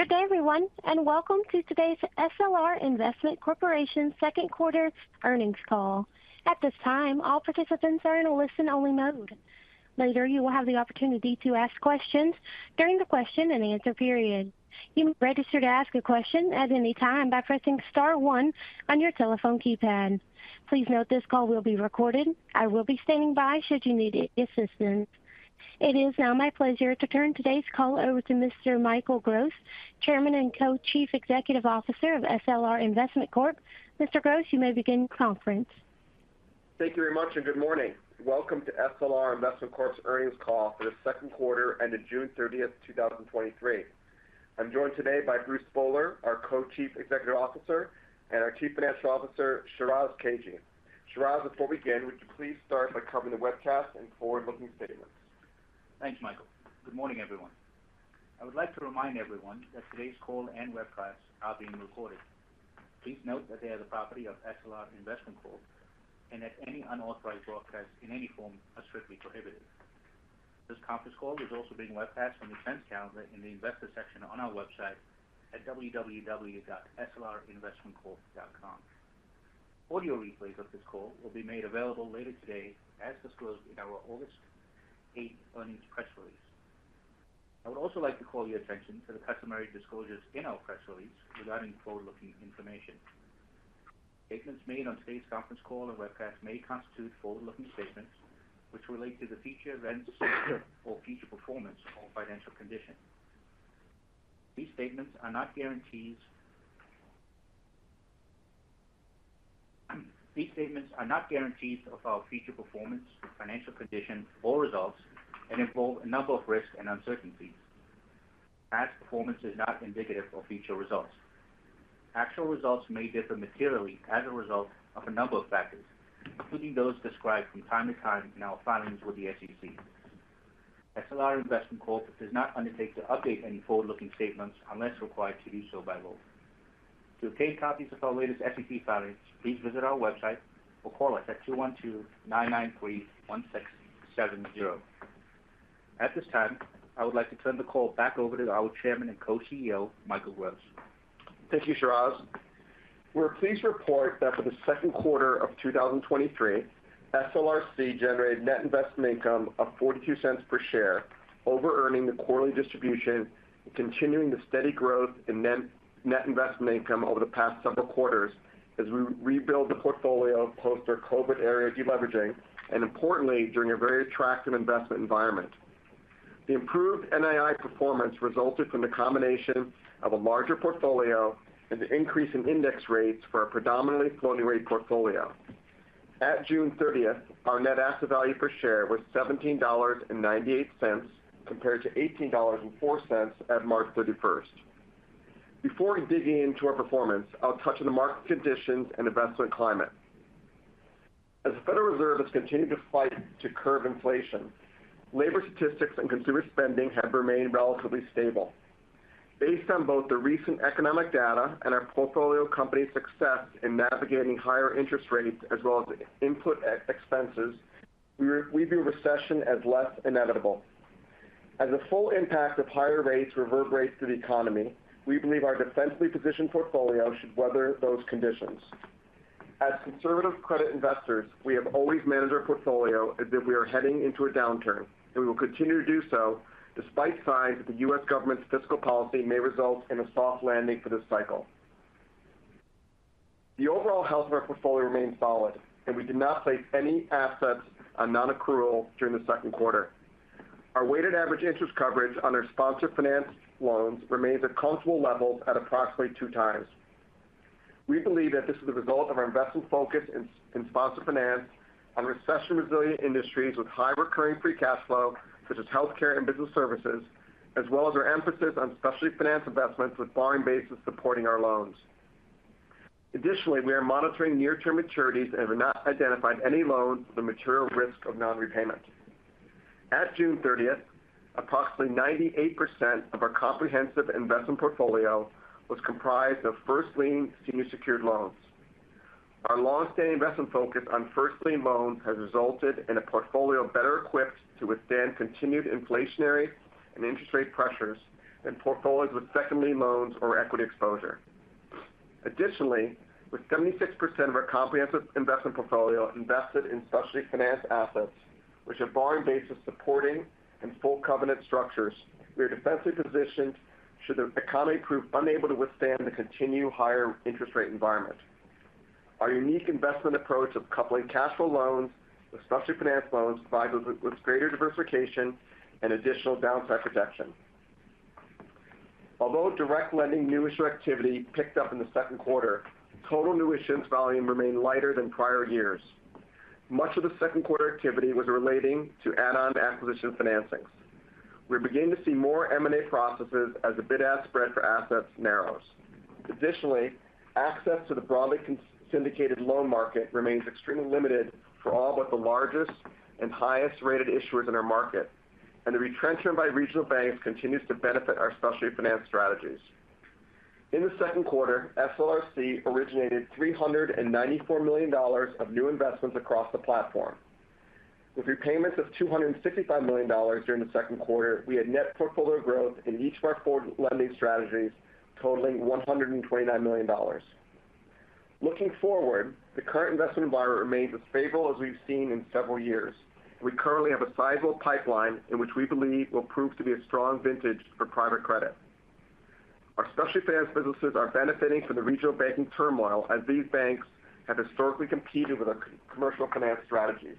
Good day, everyone, and welcome to today's SLR Investment Corp. second quarter earnings call. At this time, all participants are in a listen-only mode. Later, you will have the opportunity to ask questions during the question and answer period. You may register to ask a question at any time by pressing star one on your telephone keypad. Please note this call will be recorded. I will be standing by should you need any assistance. It is now my pleasure to turn today's call over to Mr. Michael Gross, Chairman and Co-Chief Executive Officer of SLR Investment Corp. Mr. Gross, you may begin the conference. Thank you very much, and good morning. Welcome to SLR Investment Corp's earnings call for the second quarter ended June 30th, 2023. I'm joined today by Bruce Spohler, our Co-Chief Executive Officer, and our Chief Financial Officer, Shiraz Kajee. Shiraz, before we begin, would you please start by covering the webcast and forward-looking statements? Thanks, Michael. Good morning, everyone. I would like to remind everyone that today's call and webcast are being recorded. Please note that they are the property of SLR Investment Corp, that any unauthorized broadcasts in any form are strictly prohibited. This conference call is also being webcast on the Events Calendar in the Investor section on our website at www.slrinvestmentcorp.com. Audio replays of this call will be made available later today, as disclosed in our August eighth earnings press release. I would also like to call your attention to the customary disclosures in our press release regarding forward-looking information. Statements made on today's conference call and webcast may constitute forward-looking statements which relate to the future events or future performance or financial condition. These statements are not guarantees of our future performance, financial condition, or results, and involve a number of risks and uncertainties. Past performance is not indicative of future results. Actual results may differ materially as a result of a number of factors, including those described from time to time in our filings with the SEC. SLR Investment Corp. does not undertake to update any forward-looking statements unless required to do so by law. To obtain copies of our latest SEC filings, please visit our website or call us at 212-993-1670. At this time, I would like to turn the call back over to our Chairman and Co-CEO, Michael Gross. Thank you, Shiraz. We're pleased to report that for the second quarter of 2023, SLRC generated net investment income of $0.42 per share, overearning the quarterly distribution, continuing the steady growth in net, net investment income over the past several quarters as we rebuild the portfolio post our COVID-era deleveraging. Importantly, during a very attractive investment environment. The improved NII performance resulted from the combination of a larger portfolio and the increase in index rates for our predominantly floating rate portfolio. At June 30th, our net asset value per share was $17.98, compared to $18.04 at March 31st. Before we dig into our performance, I'll touch on the market conditions and investment climate. As the Federal Reserve has continued to fight to curb inflation, labor statistics and consumer spending have remained relatively stable. Based on both the recent economic data and our portfolio company's success in navigating higher interest rates as well as input expenses, we view recession as less inevitable. As the full impact of higher rates reverberates through the economy, we believe our defensively positioned portfolio should weather those conditions. As conservative credit investors, we have always managed our portfolio as if we are heading into a downturn, and we will continue to do so despite signs that the U.S. government's fiscal policy may result in a soft landing for this cycle. The overall health of our portfolio remains solid, and we did not place any assets on nonaccrual during the second quarter. Our weighted average interest coverage on our sponsor finance loans remains at comfortable levels at approximately 2 times. We believe that this is a result of our investment focus in sponsor finance on recession-resilient industries with high recurring free cash flow, such as healthcare and business services, as well as our emphasis on specialty finance investments with borrowing bases supporting our loans. Additionally, we are monitoring near-term maturities and have not identified any loans with a material risk of non-repayment. At June 30th, approximately 98% of our comprehensive investment portfolio was comprised of first-lien senior secured loans. Our long-standing investment focus on first-lien loans has resulted in a portfolio better equipped to withstand continued inflationary and interest rate pressures than portfolios with second lien loans or equity exposure. Additionally, with 76% of our comprehensive investment portfolio invested in specialty finance assets, which have borrowing bases supporting and full covenant structures, we are defensively positioned should the economy prove unable to withstand the continued higher interest rate environment. Our unique investment approach of coupling cash flow loans with specialty finance loans provides us with greater diversification and additional downside protection. Although direct lending new issuer activity picked up in the second quarter, total new issuance volume remained lighter than prior years. Much of the second quarter activity was relating to add-on acquisition financings. We're beginning to see more M&A processes as the bid-ask spread for assets narrows. Additionally, access to the broadly syndicated loan market remains extremely limited for all but the largest and highest-rated issuers in our market, and the retrenchment by regional banks continues to benefit our specialty finance strategies. In the second quarter, SLRC originated $394 million of new investments across the platform. With repayments of $265 million during the second quarter, we had net portfolio growth in each of our four lending strategies, totaling $129 million. Looking forward, the current investment environment remains as favorable as we've seen in several years. We currently have a sizable pipeline in which we believe will prove to be a strong vintage for private credit. Our specialty finance businesses are benefiting from the regional banking turmoil, as these banks have historically competed with our commercial finance strategies.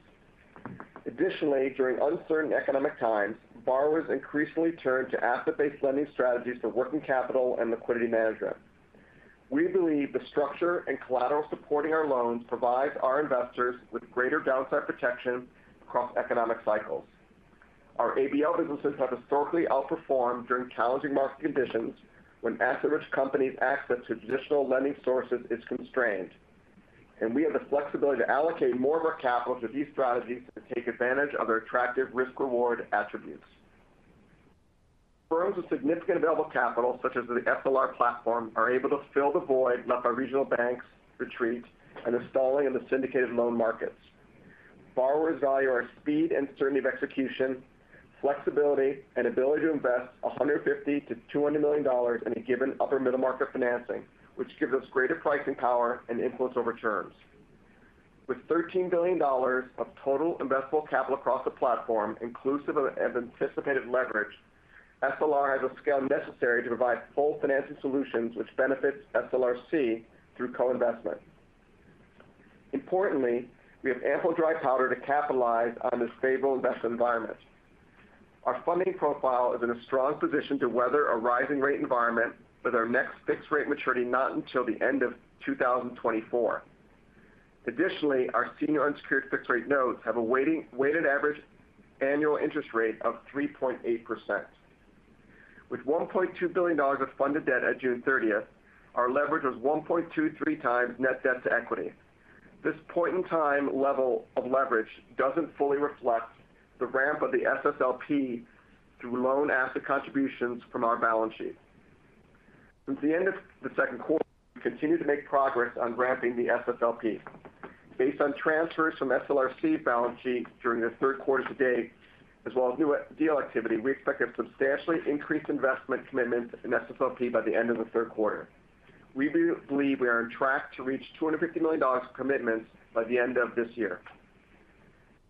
Additionally, during uncertain economic times, borrowers increasingly turn to asset-based lending strategies for working capital and liquidity management. We believe the structure and collateral supporting our loans provides our investors with greater downside protection across economic cycles. Our ABL businesses have historically outperformed during challenging market conditions when asset-rich companies' access to traditional lending sources is constrained, and we have the flexibility to allocate more of our capital to these strategies to take advantage of their attractive risk-reward attributes. Firms with significant available capital, such as the SLR platform, are able to fill the void left by regional banks' retreat and installing in the syndicated loan markets. Borrowers value our speed and certainty of execution, flexibility, and ability to invest $150 million-$200 million in a given upper middle market financing, which gives us greater pricing power and influence over terms. With $13 billion of total investable capital across the platform, inclusive of anticipated leverage, SLR has a scale necessary to provide full financing solutions, which benefits SLRC through co-investment. Importantly, we have ample dry powder to capitalize on this favorable investment environment. Our funding profile is in a strong position to weather a rising rate environment with our next fixed rate maturity not until the end of 2024. Additionally, our senior unsecured fixed rate notes have a weighted average annual interest rate of 3.8%. With $1.2 billion of funded debt at June 30th, our leverage was 1.23x net debt to equity. This point-in-time level of leverage doesn't fully reflect the ramp of the SSLP through loan asset contributions from our balance sheet. Since the end of the second quarter, we continue to make progress on ramping the SSLP. Based on transfers from SLRC balance sheet during the third quarter to date, as well as new deal activity, we expect a substantially increased investment commitment in SSLP by the end of the third quarter. We do believe we are on track to reach $250 million of commitments by the end of this year.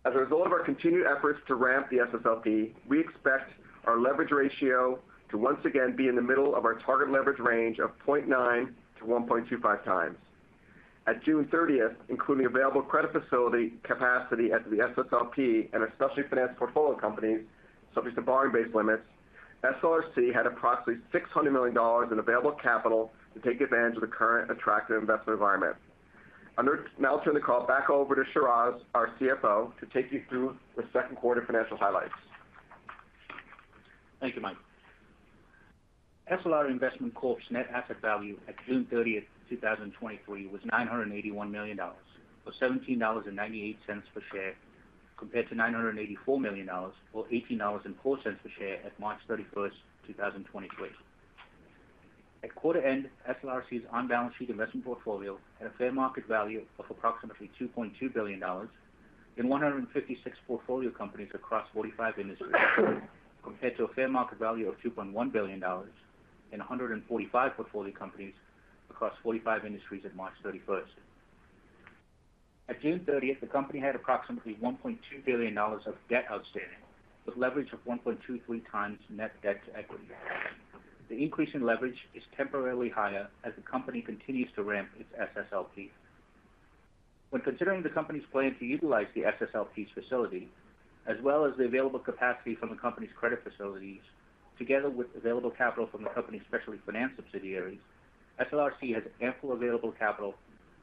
As a result of our continued efforts to ramp the SSLP, we expect our leverage ratio to once again be in the middle of our target leverage range of 0.9x-1.25x. At June 30th, including available credit facility capacity at the SSLP and our specialty finance portfolio companies, subject to borrowing-based limits, SLRC had approximately $600 million in available capital to take advantage of the current attractive investment environment. I'll now turn the call back over to Shiraz, our CFO, to take you through the second quarter financial highlights. Thank you, Mike. SLR Investment Corp's net asset value at June 30th, 2023, was $981 million, or $17.98 per share, compared to $984 million, or $18.04 per share at March 31st, 2023. At quarter end, SLRC's on-balance sheet investment portfolio had a fair market value of approximately $2.2 billion in 156 portfolio companies across 45 industries, compared to a fair market value of $2.1 billion in 145 portfolio companies across 45 industries at March 31st. At June 30th, the company had approximately $1.2 billion of debt outstanding, with leverage of 1.23x net debt to equity. The increase in leverage is temporarily higher as the company continues to ramp its SSLP. When considering the company's plan to utilize the SSLP's facility, as well as the available capacity from the company's credit facilities, together with available capital from the company's specialty finance subsidiaries, SLRC has ample available capital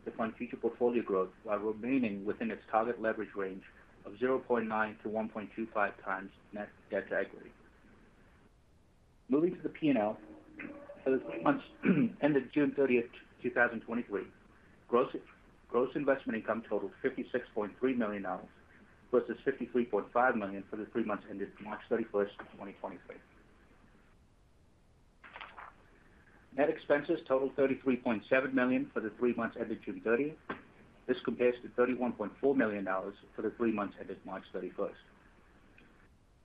to fund future portfolio growth while remaining within its target leverage range of 0.9 to 1.25 times net debt to equity. Moving to the P&L, for the months ended June 30th, 2023, gross, gross investment income totaled $56.3 million, versus $53.5 million for the three months ended March 31st, 2023. Net expenses totaled $33.7 million for the three months ended June 30th. This compares to $31.4 million for the three months ended March 31st.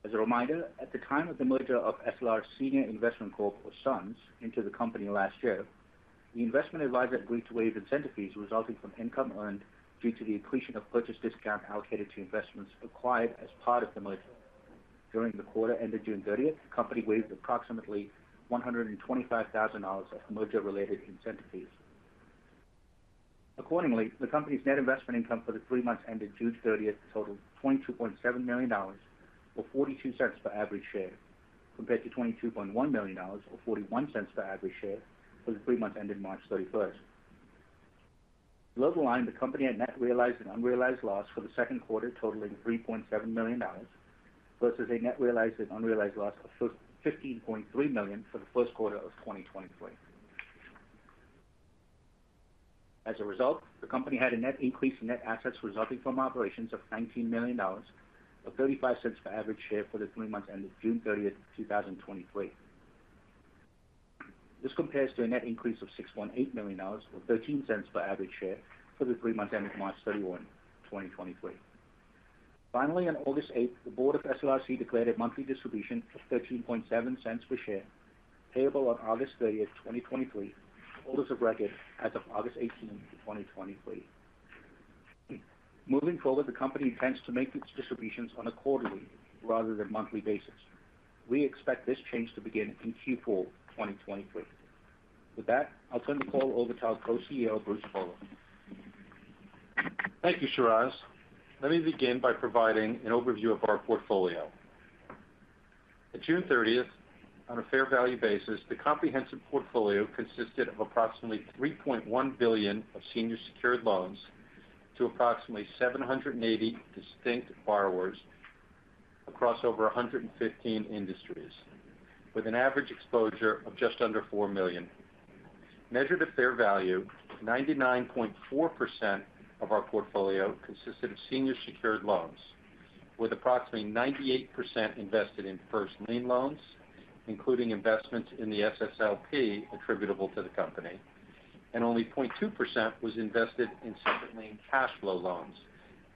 As a reminder, at the time of the merger of SLR Senior Investment Corp. or SUNS into the company last year, the investment advisor agreed to waive incentive fees resulting from income earned due to the accretion of purchase discount allocated to investments acquired as part of the merger. During the quarter ended June thirtieth, the company waived approximately $125,000 of merger-related incentive fees. Accordingly, the company's net investment income for the three months ended June thirtieth totaled $22.7 million, or $0.42 per average share, compared to $22.1 million or $0.41 per average share for the three months ended March thirty-first. Below the line, the company had net realized an unrealized loss for the second quarter, totaling $3.7 million, versus a net realized and unrealized loss of $15.3 million for the first quarter of 2023. As a result, the company had a net increase in net assets resulting from operations of $19 million, or $0.35 per average share for the 3 months ended June 30, 2023. This compares to a net increase of $6.8 million, or $0.13 per average share for the 3 months ending March 31, 2023. Finally, on August 8, the board of SLRC declared a monthly distribution of $0.137 per share, payable on August 30, 2023, holders of record as of August 18, 2023. Moving forward, the company intends to make its distributions on a quarterly rather than monthly basis. We expect this change to begin in Q4 2023. With that, I'll turn the call over to our Co-CEO, Bruce Spohler. Thank you, Shiraz. Let me begin by providing an overview of our portfolio. At June 30th, on a fair value basis, the comprehensive portfolio consisted of approximately $3.1 billion of senior secured loans to approximately 780 distinct borrowers across over 115 industries, with an average exposure of just under $4 million. Measured at fair value, 99.4% of our portfolio consisted of senior secured loans, with approximately 98% invested in first lien loans, including investments in the SSLP attributable to the company, and only 0.2% was invested in second lien cash flow loans,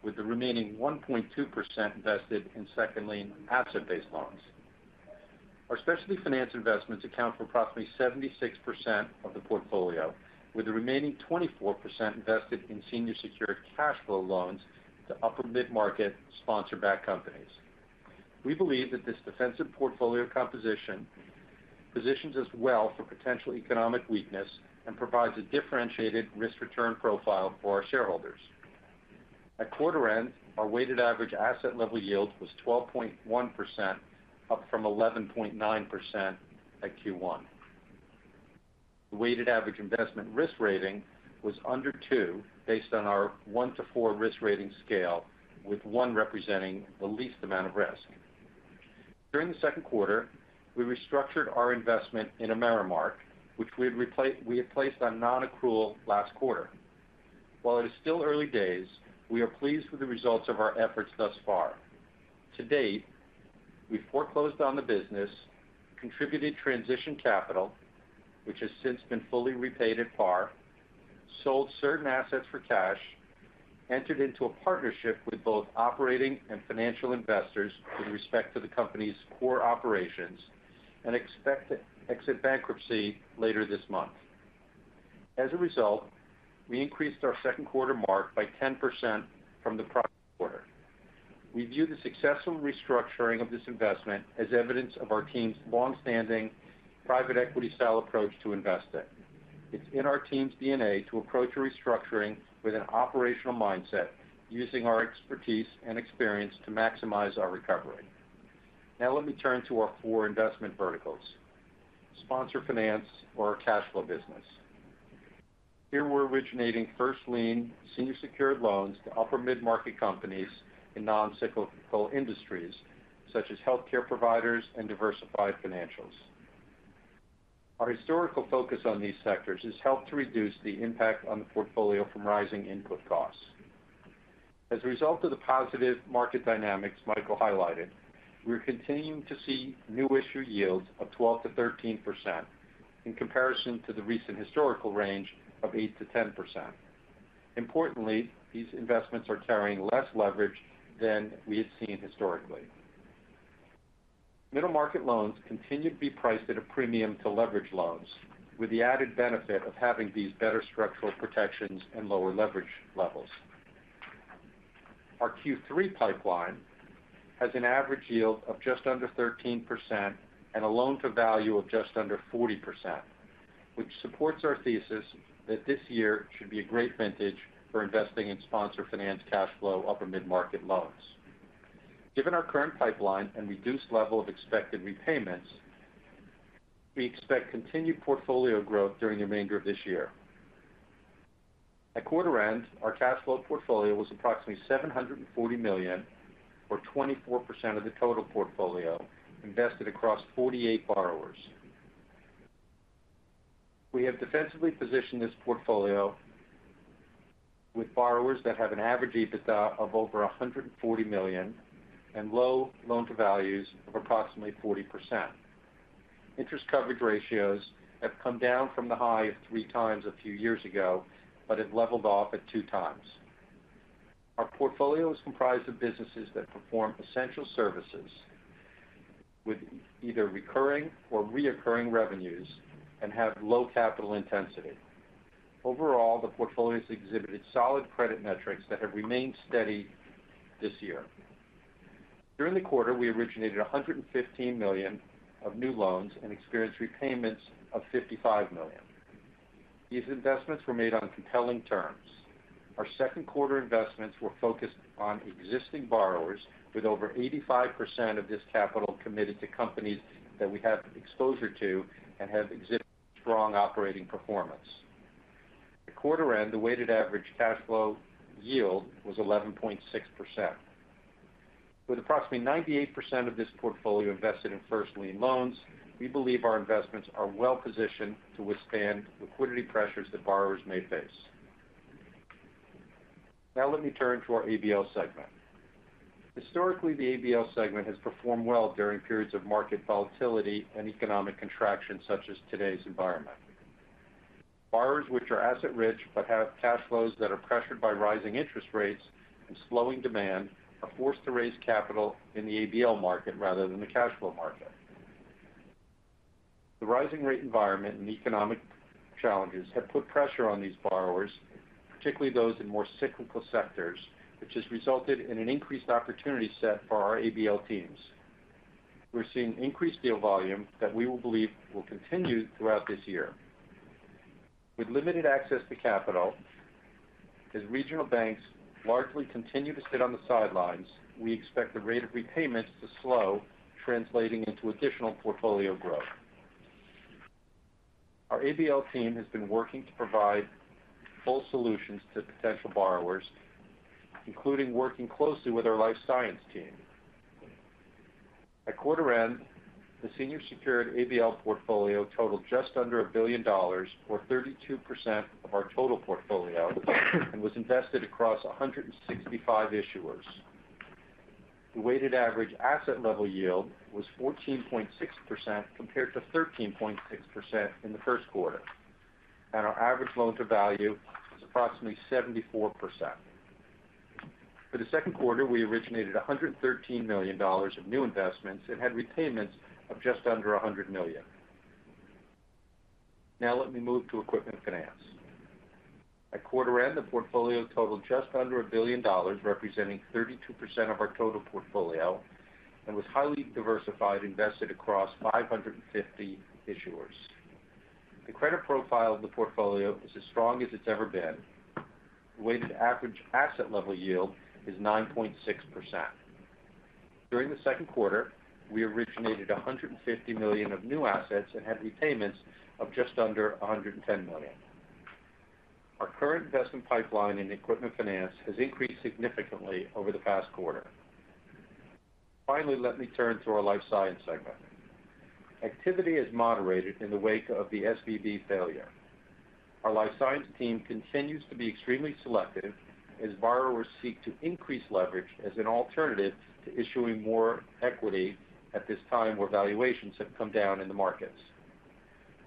with the remaining 1.2% invested in second lien asset-based loans. Our specialty finance investments account for approximately 76% of the portfolio, with the remaining 24% invested in senior secured cash flow loans to upper mid-market sponsor-backed companies. We believe that this defensive portfolio composition positions us well for potential economic weakness and provides a differentiated risk-return profile for our shareholders. At quarter end, our weighted average asset level yield was 12.1%, up from 11.9% at Q1. The weighted average investment risk rating was under two, based on our one to four risk rating scale, with one representing the least amount of risk. During the second quarter, we restructured our investment in AmeriMark, which we had placed on non-accrual last quarter. While it is still early days, we are pleased with the results of our efforts thus far. To date, we foreclosed on the business, contributed transition capital, which has since been fully repaid at par, sold certain assets for cash, entered into a partnership with both operating and financial investors with respect to the company's core operations, and expect to exit bankruptcy later this month. As a result, we increased our second quarter mark by 10% from the prior quarter. We view the successful restructuring of this investment as evidence of our team's long-standing private equity style approach to investing. It's in our team's DNA to approach a restructuring with an operational mindset, using our expertise and experience to maximize our recovery. Let me turn to our four investment verticals. Sponsor finance or our cash flow business. Here we're originating first lien senior secured loans to upper mid-market companies in non-cyclical industries such as healthcare providers and diversified financials. Our historical focus on these sectors has helped to reduce the impact on the portfolio from rising input costs. As a result of the positive market dynamics Michael highlighted, we're continuing to see new issue yields of 12%-13% in comparison to the recent historical range of 8%-10%. Importantly, these investments are carrying less leverage than we had seen historically. Middle market loans continue to be priced at a premium to leverage loans, with the added benefit of having these better structural protections and lower leverage levels. Our Q3 pipeline has an average yield of just under 13% and a loan-to-value of just under 40%, which supports our thesis that this year should be a great vintage for investing in sponsor finance cash flow upper mid-market loans. Given our current pipeline and reduced level of expected repayments, we expect continued portfolio growth during the remainder of this year. At quarter end, our cash flow portfolio was approximately $740 million, or 24% of the total portfolio, invested across 48 borrowers. We have defensively positioned this portfolio with borrowers that have an average EBITDA of over $140 million and low loan-to-values of approximately 40%. Interest coverage ratios have come down from the high of 3 times a few years ago, but have leveled off at 2 times. Our portfolio is comprised of businesses that perform essential services with either recurring or reoccurring revenues and have low capital intensity. Overall, the portfolio has exhibited solid credit metrics that have remained steady this year. During the quarter, we originated $115 million of new loans and experienced repayments of $55 million. These investments were made on compelling terms. Our second quarter investments were focused on existing borrowers, with over 85% of this capital committed to companies that we have exposure to and have exhibited strong operating performance. At quarter end, the weighted average cash flow yield was 11.6%. With approximately 98% of this portfolio invested in first lien loans, we believe our investments are well positioned to withstand liquidity pressures that borrowers may face. Let me turn to our ABL segment. Historically, the ABL segment has performed well during periods of market volatility and economic contraction, such as today's environment. Borrowers, which are asset rich, but have cash flows that are pressured by rising interest rates and slowing demand, are forced to raise capital in the ABL market rather than the cash flow market. The rising rate environment and economic challenges have put pressure on these borrowers, particularly those in more cyclical sectors, which has resulted in an increased opportunity set for our ABL teams. We're seeing increased deal volume that we will believe will continue throughout this year. With limited access to capital, as regional banks largely continue to sit on the sidelines, we expect the rate of repayments to slow, translating into additional portfolio growth. Our ABL team has been working to provide full solutions to potential borrowers, including working closely with our life science team. At quarter end, the senior secured ABL portfolio totaled just under $1 billion, or 32% of our total portfolio, and was invested across 165 issuers. The weighted average asset level yield was 14.6%, compared to 13.6% in the first quarter, and our average loan to value was approximately 74%. For the second quarter, we originated $113 million of new investments and had repayments of just under $100 million. Let me move to equipment finance. At quarter end, the portfolio totaled just under $1 billion, representing 32% of our total portfolio, and was highly diversified, invested across 550 issuers. The credit profile of the portfolio is as strong as it's ever been. Weighted average asset level yield is 9.6%. During the second quarter, we originated $150 million of new assets and had repayments of just under $110 million. Our current investment pipeline in equipment finance has increased significantly over the past quarter. Let me turn to our life science segment. Activity has moderated in the wake of the SVB failure. Our life science team continues to be extremely selective as borrowers seek to increase leverage as an alternative to issuing more equity at this time, where valuations have come down in the markets.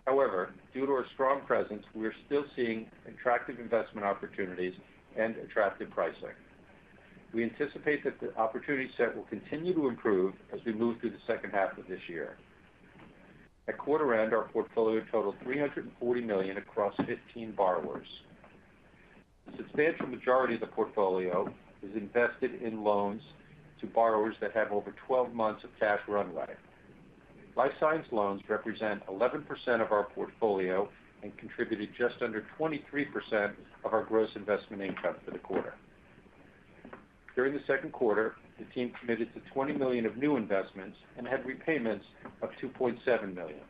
However, due to our strong presence, we are still seeing attractive investment opportunities and attractive pricing. We anticipate that the opportunity set will continue to improve as we move through the second half of this year. At quarter end, our portfolio totaled $340 million across 15 borrowers. The substantial majority of the portfolio is invested in loans to borrowers that have over 12 months of cash runway. Life science loans represent 11% of our portfolio and contributed just under 23% of our gross investment income for the quarter. During the second quarter, the team committed to $20 million of new investments and had repayments of $2.7 million.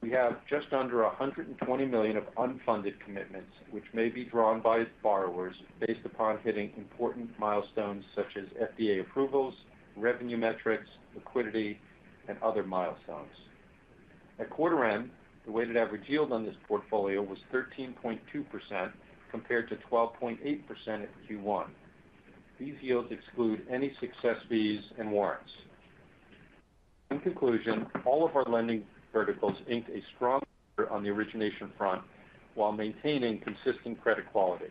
We have just under $120 million of unfunded commitments, which may be drawn by borrowers based upon hitting important milestones such as FDA approvals, revenue metrics, liquidity, and other milestones. At quarter end, the weighted average yield on this portfolio was 13.2%, compared to 12.8% at Q1. These yields exclude any success fees and warrants. In conclusion, all of our lending verticals inked a strong on the origination front while maintaining consistent credit quality.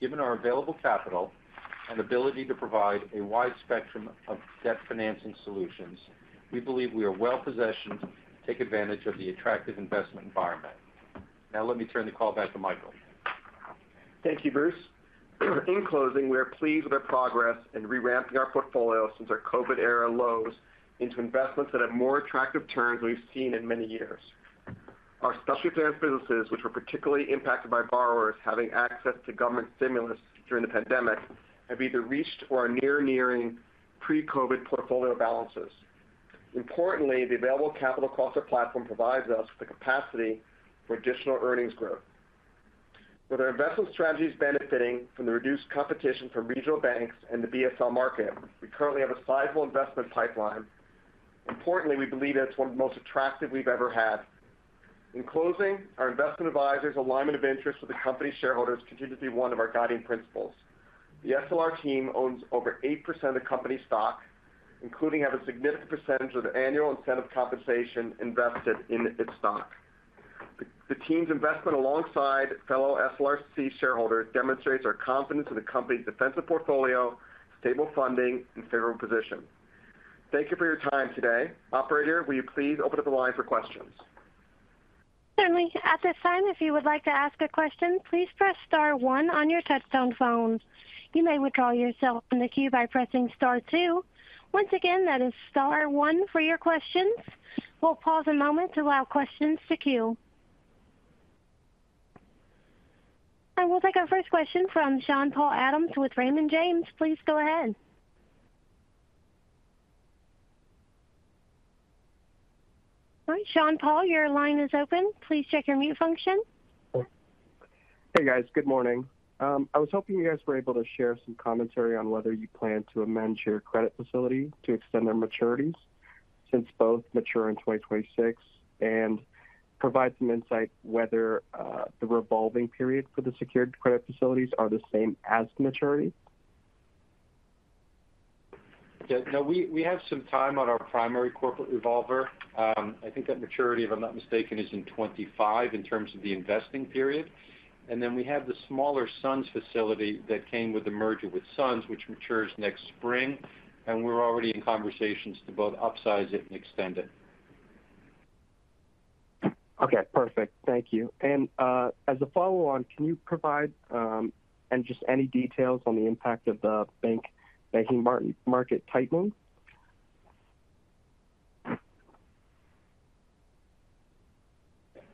Given our available capital and ability to provide a wide spectrum of debt financing solutions, we believe we are well positioned to take advantage of the attractive investment environment. Now let me turn the call back to Michael. Thank you, Bruce. In closing, we are pleased with our progress in reramping our portfolio since our COVID era lows into investments that have more attractive terms we've seen in many years. Our specialty finance businesses, which were particularly impacted by borrowers having access to government stimulus during the pandemic, have either reached or are nearing pre-COVID portfolio balances. Importantly, the available capital across our platform provides us with the capacity for additional earnings growth. With our investment strategies benefiting from the reduced competition from regional banks and the BSL market, we currently have a sizable investment pipeline. Importantly, we believe it's one of the most attractive we've ever had. In closing, our investment advisors' alignment of interest with the company's shareholders continues to be one of our guiding principles. The SLR team owns over 8% of company stock, including have a significant percentage of the annual incentive compensation invested in its stock. The team's investment, alongside fellow SLRC shareholders, demonstrates our confidence in the company's defensive portfolio, stable funding, and favorable position. Thank you for your time today. Operator, will you please open up the line for questions? Certainly. At this time, if you would like to ask a question, please press star one on your touchtone phone. You may withdraw yourself from the queue by pressing star two. Once again, that is star one for your questions. We'll pause a moment to allow questions to queue. We'll take our first question from Sean-Paul Adams with Raymond James. Please go ahead. All right, Sean-Paul, your line is open. Please check your mute function. Hey, guys. Good morning. I was hoping you guys were able to share some commentary on whether you plan to amend your credit facility to extend their maturities, since both mature in 2026, and provide some insight whether the revolving period for the secured credit facilities are the same as the maturity? Yeah, no, we, we have some time on our primary corporate revolver. I think that maturity, if I'm not mistaken, is in 25 in terms of the investing period. Then we have the smaller SUNS facility that came with the merger with SUNS, which matures next spring, and we're already in conversations to both upsize it and extend it. Okay, perfect. Thank you. As a follow on, can you provide and just any details on the impact of the banking market tightening?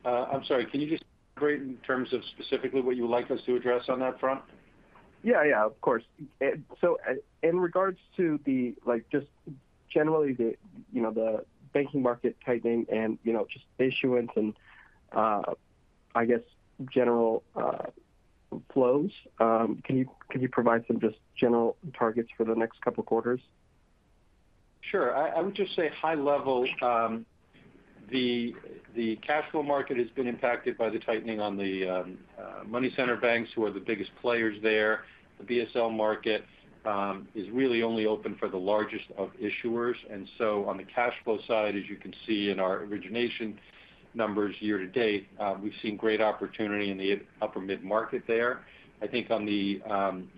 I'm sorry, can you just reiterate in terms of specifically what you would like us to address on that front? Yeah, yeah, of course. In regards to the like, just generally the, you know, the banking market tightening and, you know, just issuance and, I guess, general flows, can you, can you provide some just general targets for the next couple of quarters? Sure. I, I would just say high level, the, the cash flow market has been impacted by the tightening on the money center banks, who are the biggest players there. The BSL market is really only open for the largest of issuers. On the cash flow side, as you can see in our origination numbers year to date, we've seen great opportunity in the upper mid-market there. I think on the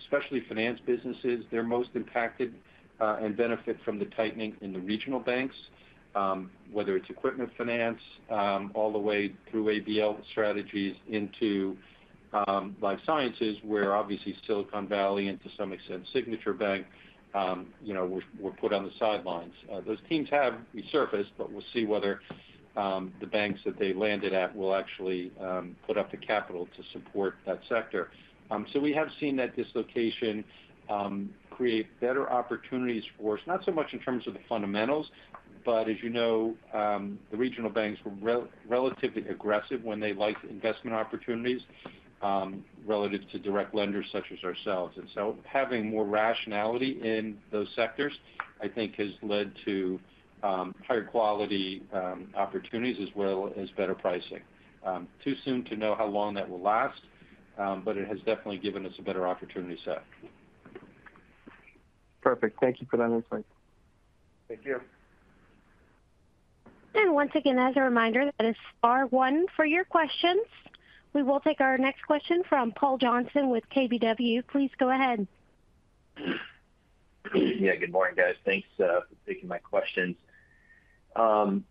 specialty finance businesses, they're most impacted and benefit from the tightening in the regional banks, whether it's equipment finance, all the way through ABL strategies into life sciences, where obviously Silicon Valley and to some extent, Signature Bank, you know, were, were put on the sidelines. Those teams have resurfaced, but we'll see whether the banks that they landed at will actually put up the capital to support that sector. We have seen that dislocation create better opportunities for us, not so much in terms of the fundamentals, but as you know, the regional banks were relatively aggressive when they liked investment opportunities relative to direct lenders such as ourselves. Having more rationality in those sectors, I think, has led to higher quality opportunities as well as better pricing. Too soon to know how long that will last, but it has definitely given us a better opportunity set. Perfect. Thank you for that insight. Thank you. Once again, as a reminder, that is star one for your questions. We will take our next question from Paul Johnson with KBW. Please go ahead. Yeah, good morning, guys. Thanks for taking my questions. On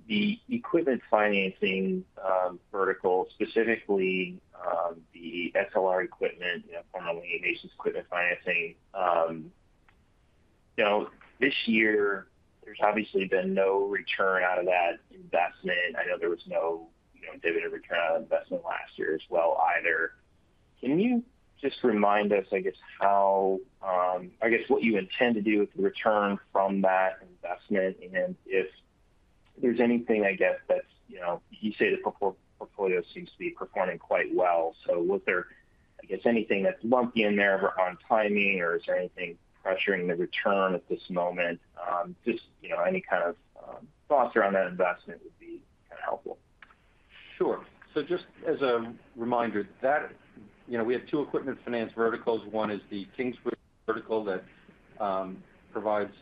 the equipment financing vertical, specifically, the SLR Equipment Finance, you know, formerly Nations Equipment Finance. Now, this year, there's obviously been no return out of that investment. I know there was no, you know, dividend return on investment last year as well, either. Can you just remind us, I guess, how I guess, what you intend to do with the return from that investment, and if there's anything, I guess, that's, you know, you say the portfolio seems to be performing quite well. Was there, I guess, anything that's lumpy in there on timing, or is there anything pressuring the return at this moment? Just, you know, any kind of thoughts around that investment would be helpful. Sure. Just as a reminder, you know, we have two equipment finance verticals. One is the Kingsbridge vertical that provides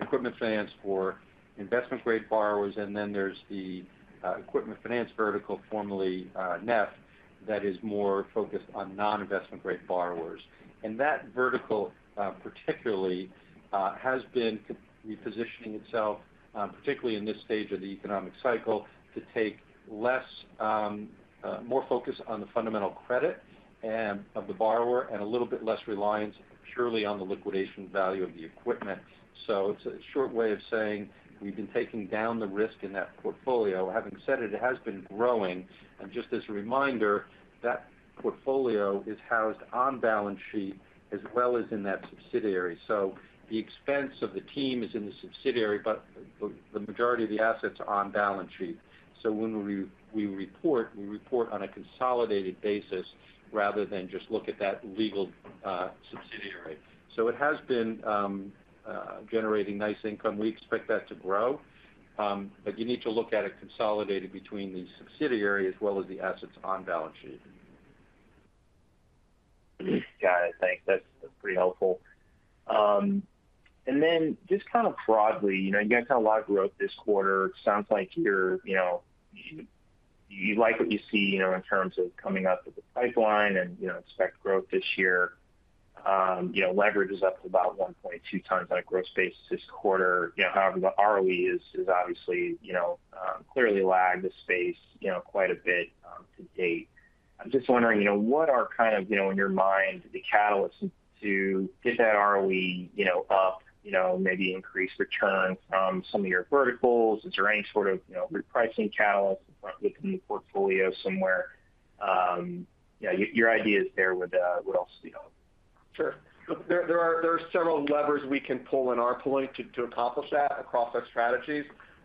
equipment finance for investment-grade borrowers, and then there's the equipment finance vertical, formerly NEF, that is more focused on non-investment-grade borrowers. That vertical, particularly, has been repositioning itself, particularly in this stage of the economic cycle, to take less, more focus on the fundamental credit and of the borrower, and a little bit less reliance purely on the liquidation value of the equipment. It's a short way of saying we've been taking down the risk in that portfolio. Having said it, it has been growing, and just as a reminder, that portfolio is housed on balance sheet as well as in that subsidiary. The expense of the team is in the subsidiary, but the, the majority of the assets are on balance sheet. When we, we report, we report on a consolidated basis rather than just look at that legal subsidiary. It has been generating nice income. We expect that to grow, but you need to look at it consolidated between the subsidiary as well as the assets on balance sheet. Got it. Thanks. That's pretty helpful. Then just kind of broadly, you know, you guys had a lot of growth this quarter. Sounds like you're, you know, you, you like what you see, you know, in terms of coming up with the pipeline and, you know, expect growth this year. You know, leverage is up to about 1.2x on that growth space this quarter. You know, however, the ROE is, is obviously, you know, clearly lagged the space, you know, quite a bit to date. I'm just wondering, you know, what are kind of, you know, in your mind, the catalysts to get that ROE, you know, up, you know, maybe increase returns from some of your verticals? Is there any sort of, you know, repricing catalyst within the portfolio somewhere? Yeah, your, your ideas there would, would also be helpful. Sure. There are several levers we can pull in our pulling to, to accomplish that across our strategies.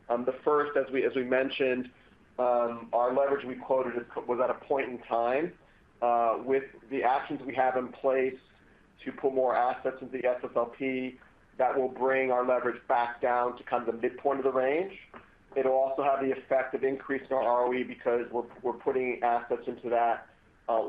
The first, as we, as we mentioned, our leverage we quoted was at a point in time, with the actions we have in place to put more assets into the SFLP, that will bring our leverage back down to kind of the midpoint of the range. It'll also have the effect of increasing our ROE because we're, we're putting assets into that,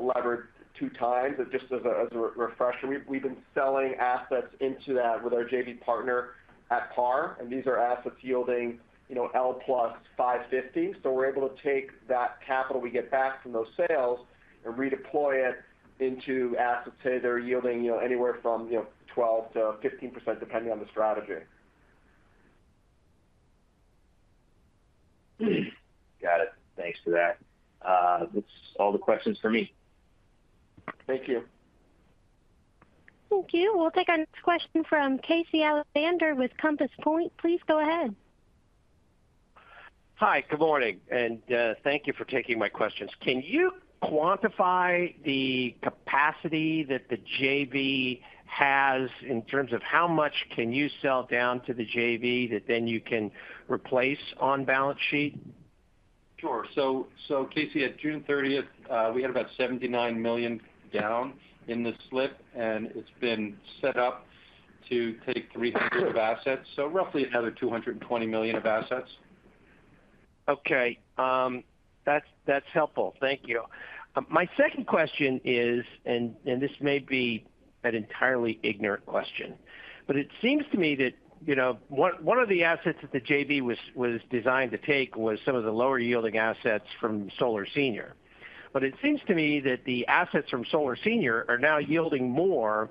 leverage 2 times. Just as a refresher, we've, we've been selling assets into that with our JV partner at par, and these are assets yielding, you know, L+550. We're able to take that capital we get back from those sales and redeploy it into assets that are yielding, you know, anywhere from, you know, 12%-15%, depending on the strategy. Got it. Thanks for that. That's all the questions for me. Thank you. Thank you. We'll take our next question from Casey Alexander with Compass Point. Please go ahead. Hi, good morning, and thank you for taking my questions. Can you quantify the capacity that the JV has in terms of how much can you sell down to the JV that then you can replace on balance sheet? Sure. So Casey, at June thirtieth, we had about $79 million down in the slip, and it's been set up to take $300 million of assets, so roughly another $220 million of assets. Okay, that's, that's helpful. Thank you. My second question is, this may be an entirely ignorant question, but it seems to me that, you know, one, one of the assets that the JV was, was designed to take was some of the lower yielding assets from Solar Senior. It seems to me that the assets from Solar Senior are now yielding more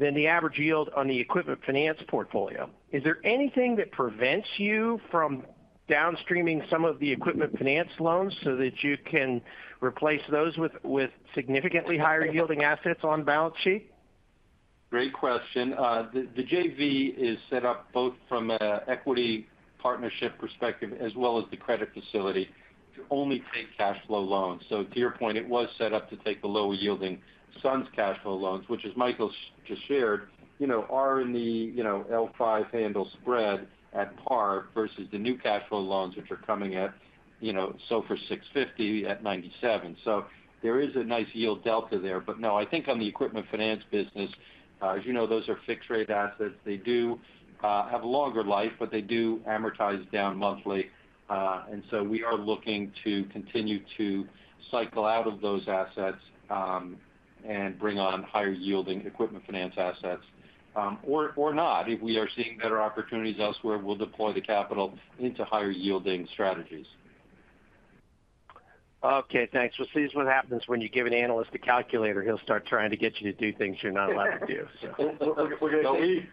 than the average yield on the equipment finance portfolio. Is there anything that prevents you from downstreaming some of the equipment finance loans so that you can replace those with, with significantly higher yielding assets on balance sheet? Great question. The JV is set up both from a equity partnership perspective as well as the credit facility to only take cash flow loans. To your point, it was set up to take the lower yielding SUNS cash flow loans, which as Michael just shared, are in the L5 handle spread at par versus the new cash flow loans, which are coming at SOFR 650 at 97. There is a nice yield delta there. No, I think on the equipment finance business, as those are fixed-rate assets. They do have a longer life, but they do amortize down monthly. We are looking to continue to cycle out of those assets and bring on higher yielding equipment finance assets or, or not. If we are seeing better opportunities elsewhere, we'll deploy the capital into higher yielding strategies. Okay, thanks. Well, this is what happens when you give an analyst a calculator, he'll start trying to get you to do things you're not allowed to do. We're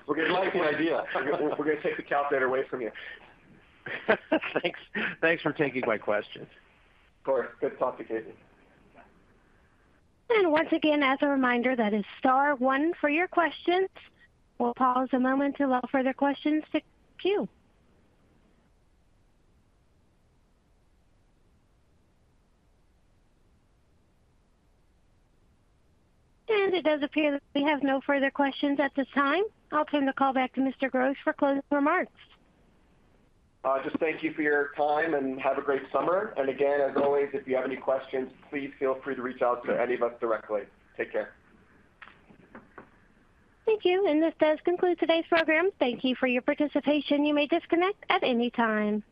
We like the idea. We're gonna take the calculator away from you. Thanks. Thanks for taking my questions. Of course. Good to talk to you, Casey. Once again, as a reminder, that is star one for your questions. We'll pause a moment to allow further questions to queue. It does appear that we have no further questions at this time. I'll turn the call back to Mr. Gross for closing remarks. Just thank you for your time and have a great summer. Again, as always, if you have any questions, please feel free to reach out to any of us directly. Take care. Thank you. This does conclude today's program. Thank you for your participation. You may disconnect at any time.